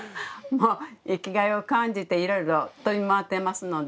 生きがいを感じていろいろ飛び回ってますので。